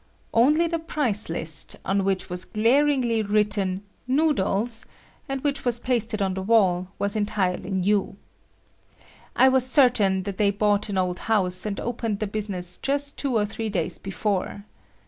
Only the price list, on which was glaringly written "Noodles" and which was pasted on the wall, was entirely new. I was certain that they bought an old house and opened the business just two or three days before.